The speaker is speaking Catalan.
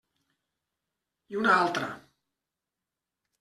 I una altra.